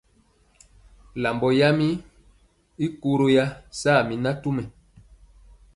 Lambɔ yam i koro ya saa mi natumɛ.